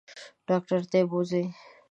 ډاکټر ته یې بوزئ.